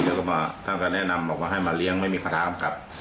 ถ้าการแนะนำให้มาเลี้ยงไม่มีปัญหากำคับ